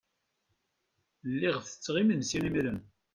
Lliɣ tetteɣ imensi imiren.